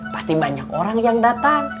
pasti banyak orang yang datang